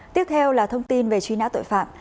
tiếp theo là thông tin về truy nã tội phạm